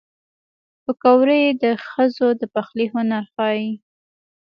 پکورې د ښځو د پخلي هنر ښيي